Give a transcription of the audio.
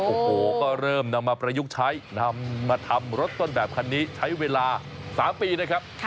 โอ้โหก็เริ่มนำมาประยุกต์ใช้นำมาทำรถต้นแบบคันนี้ใช้เวลา๓ปีนะครับ